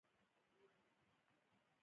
د ګونګروګانو پټۍ پرتې وې